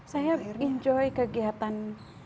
saya enjoy kegiatan